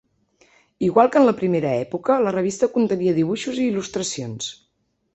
Igual que en la primera època la revista contenia dibuixos i il·lustracions.